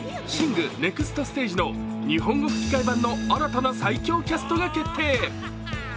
「ＳＩＮＧ／シング：ネクストステージ」の日本語吹き替え版の新たな最強キャストが決定。